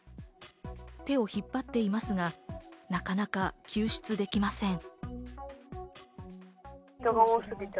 手を引っ張っていますが、なかなか救出できません。